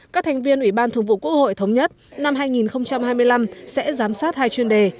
các thành viên ủy ban thường vụ quốc hội thống nhất năm hai nghìn hai mươi năm sẽ giám sát hai chuyên đề